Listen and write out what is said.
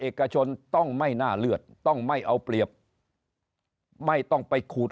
เอกชนต้องไม่น่าเลือดต้องไม่เอาเปรียบไม่ต้องไปขูด